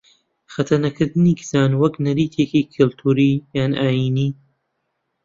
خەتەنەکردنی کچان وەک نەریتی کلتووری یان ئایینی